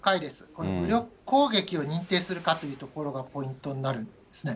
この武力攻撃を認定するかというところがポイントになるんですね。